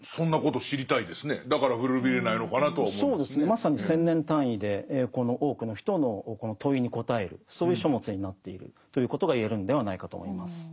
まさに１，０００年単位でこの多くの人の問いに答えるそういう書物になっているということが言えるんではないかと思います。